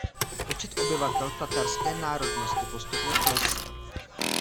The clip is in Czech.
Počet obyvatel tatarské národnosti postupně klesal.